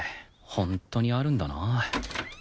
本当にあるんだな